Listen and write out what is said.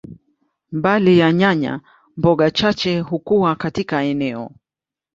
Mbali na nyanya, mboga chache hukua katika eneo.